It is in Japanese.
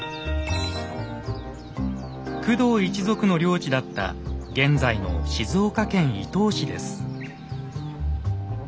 工藤一族の領地だった現在の静岡県伊東市です。